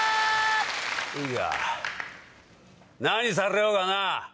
いいか何されようがな